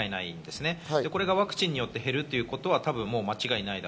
これがワクチンによって減るということはもう間違いない。